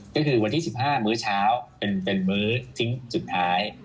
ก็คือวันที่๑๕มื้อเช้าเป็นมื้อทิ้งสุดท้าย